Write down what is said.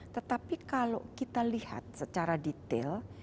tetapi kalau kita lihat secara detail